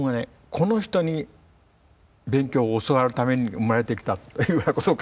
この人に勉強を教わるために生まれてきたっていうようなことを考えたんです。